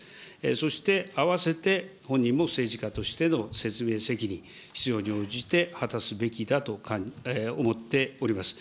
そしてあわせて、本人も政治家としての説明責任、必要に応じて果たすべきだと思っております。